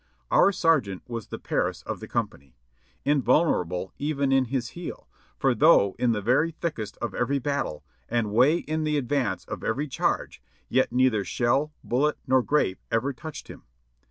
Our sergeant was the Paris of the company : invulnerable even in his heel, for though in the very thickest of every battle, and way in the advance of every charge, yet neither shell, bullet, nor grape ever touched him.